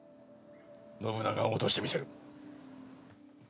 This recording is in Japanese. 信長を落としてみせる。